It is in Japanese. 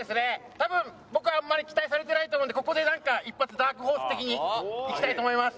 多分僕はあんまり期待されてないと思うのでここで一発ダークホース的にいきたいと思います。